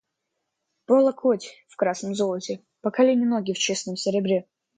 По локоть в красном золоте, по колени ноги в чистом серебре.